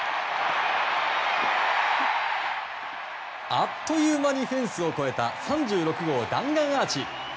あっという間にフェンスを越えた３６号弾丸アーチ。